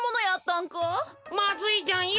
まずいじゃんよ。